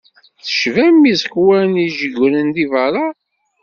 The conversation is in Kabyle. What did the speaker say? Tecbam iẓekkwan ijeggren si beṛṛa.